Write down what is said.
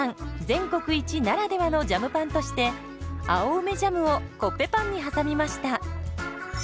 全国一ならではのジャムパンとして青梅ジャムをコッペパンに挟みました。